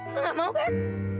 lo gak mau kan